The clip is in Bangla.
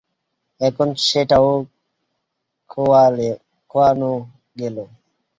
এখন সেটাও খোয়ানো গেল।